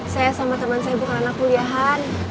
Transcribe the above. saya sama teman saya bukan anak kuliahan